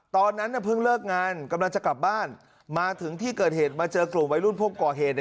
ตอนนั้นเพิ่งเลิกงานกำลังจะกลับบ้านมาถึงที่เกิดเหตุมาเจอกลุ่มวัยรุ่นพวกก่อเหตุ